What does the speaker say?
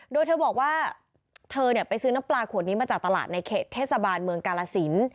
โดยเธอบอกว่าเธอไปซื้อน้ำปลาขวดนี้มาจากตลาดในเขตเทศบาลเมืองกาลสิน